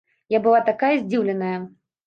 Я была такая здзіўленая.